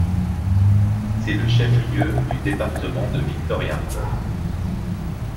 C'est le chef lieu du département de Victoria.